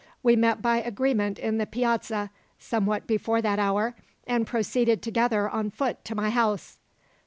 "We met by agreement in the Piazza, somewhat before that hour, and proceeded together on foot to my house."